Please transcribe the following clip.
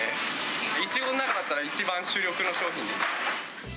いちごの中だったら一番主力の商品です。